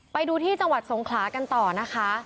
ไปดูที่จังหวัดสงขลากันต่อนะคะ